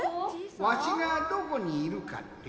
わしがどこにいるかって？